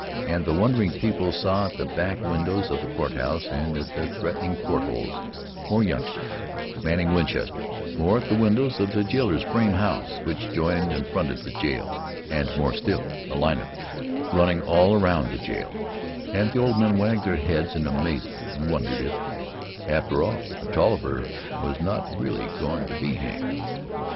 And the wondering people saw at the back windows of the Court House and at the threatening port holes more youngsters manning Winchesters, more at the windows of the jailer's frame house, which joined and fronted the jail, and more still a line of them running all around the jail; and the old men wagged their heads in amazement and wondered if, after all, a Tolliver was not really going to be hanged.